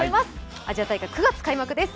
アジア大会、９月開幕です。